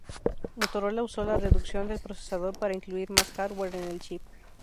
Motorola usó la reducción del procesador para incluir más hardware en el chip.